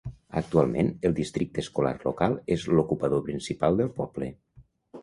Actualment, el districte escolar local és l'ocupador principal del poble.